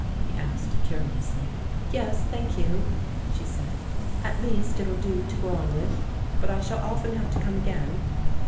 he asked curiously. "Yes, thank you," she said; "at least, it'll do to go on with. But I shall often have to come again."